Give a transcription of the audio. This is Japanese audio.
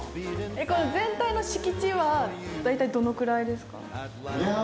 この全体の敷地は大体どのくらいですか？